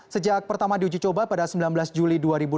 sejak pertama diuji coba pada sembilan belas juli dua ribu enam belas